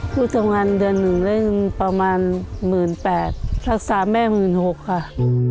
ลูกทำงานเดือนหนึ่งได้ประมาณหมื่นแปดรักษาแม่หมื่นหกค่ะ